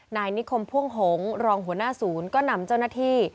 นายนิคมพ่วงหงษ์รองหัวหน้าศูนย์ก็นำเจ้าหน้าที่